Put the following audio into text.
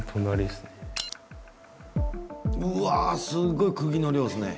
うわすごい釘の量っすね。